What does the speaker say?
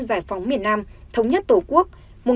giải phóng miền nam thống nhất tổ quốc